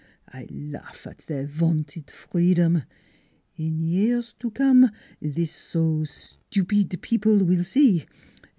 I laugh at their vaunted free dom ! In years to come this so stupid people will see